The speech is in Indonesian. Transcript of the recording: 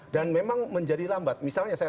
dan memang menjadi lambat misalnya saya